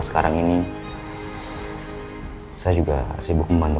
saya juga sibuk membantu